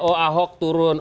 oh ahok turun